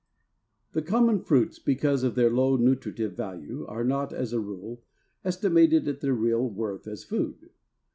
The common fruits, because of their low nutritive value, are not, as a rule, estimated at their real worth as food.